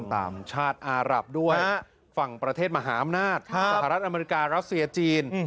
ตามชาติอารับด้วยฝั่งประเทศมหาอำนาจสหรัฐอเมริการัสเซียจีน